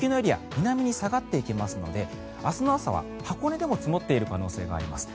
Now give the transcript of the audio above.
南に下がっていきますので明日の朝は箱根でも積もっている可能性があります。